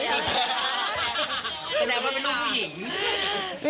ให้แนคอลลิเตอร์ไหลนาคีกต่อมา